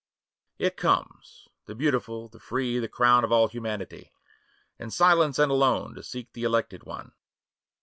It comes, — the beautiful, the free, Tl: >wn of all humanity, — In silence and alone 2Q To seek the elected one.